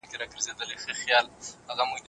ډیجیټل زده کړه ماشومانو ته فرصت ورکوي.